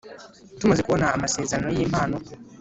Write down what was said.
Tumaze kubona amasezerano y impano